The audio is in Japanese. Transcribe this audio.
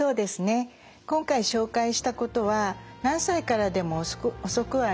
今回紹介したことは何歳からでも遅くはありません。